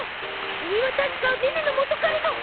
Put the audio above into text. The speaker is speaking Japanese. キミは確かネネの元カレの！